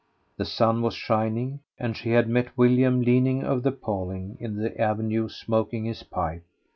The sun was shining, and she had met William leaning over the paling in the avenue smoking his pipe.